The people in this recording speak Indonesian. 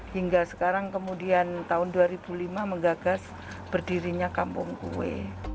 hingga sekarang kemudian tahun dua ribu lima menggagas berdirinya kampung kue